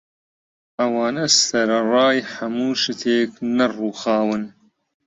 ئەوانە سەرەڕای هەموو شتێک نەڕووخاون